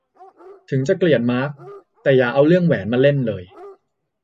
ถึงจะเกลียดมาร์ค แต่อย่าเอาเรื่องแหวนมาเล่นเลย